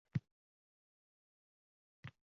Tarsaki tortdingiz shunday bemalol.